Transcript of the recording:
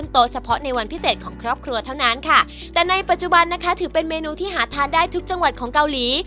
ถ้าถือเป็นเมนูที่หาดทานได้ทุกจังหวัดของเกาหลี